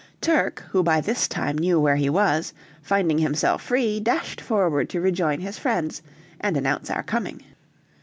Turk, who by this time knew where he was, finding himself free dashed forward to rejoin his friends, and announce our coming.